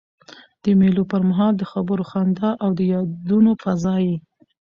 د مېلو پر مهال د خبرو، خندا او یادونو فضا يي.